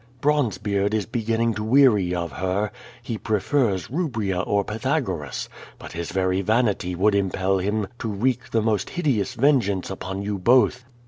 Bronze beard is beginning to weary of her. He prefers Ilubria or Pythagoras, but his very vanity would impel him to wreak the most hideous vengeance upon you both."